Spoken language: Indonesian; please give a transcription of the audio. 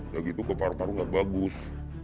ya gitu ke paru paru gak bagus